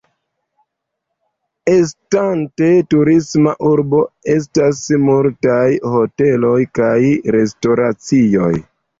Estante turisma urbo, estas multaj hoteloj kaj restoracioj.